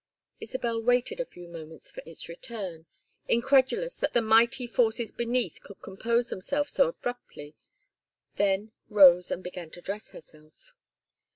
Isabel waited a few moments for it to return, incredulous that the mighty forces beneath could compose themselves so abruptly; then rose and began to dress herself.